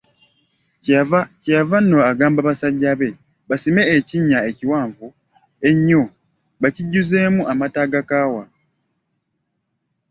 Kye yava nno agamba basajja be basime ekinnya ekiwanvu ennyo bakijjuzeemu amata agakaawa.